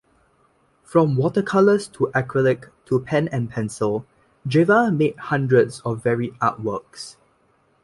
From watercolors to acrylic to pen and pencil, Geva made hundreds of varied artworks.